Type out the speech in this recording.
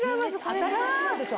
当たりが違うでしょ